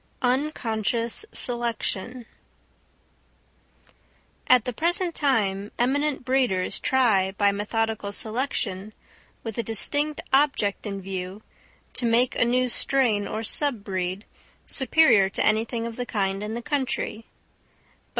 Unconscious Selection. At the present time, eminent breeders try by methodical selection, with a distinct object in view, to make a new strain or sub breed, superior to anything of the kind in the country.